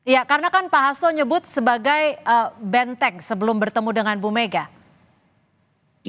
ya karena kan pak hasto nyebut sebagai benteng sebelum bertemu dengan bu mega